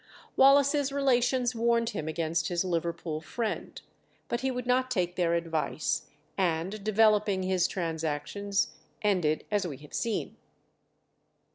Wallace's relations warned him against his Liverpool friend, but he would not take their advice, and developing his transactions, ended as we have seen.